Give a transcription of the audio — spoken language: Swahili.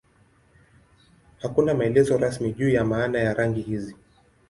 Hakuna maelezo rasmi juu ya maana ya rangi hizi.